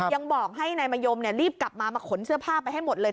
ยังบอกให้นายมะยมรีบกลับมามาขนเสื้อผ้าไปให้หมดเลย